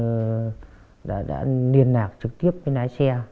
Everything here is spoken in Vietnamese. tôi đã liên lạc trực tiếp với lái xe